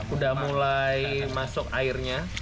udah mulai masuk airnya